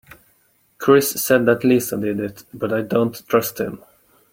Chris said that Lisa did it but I dont trust him.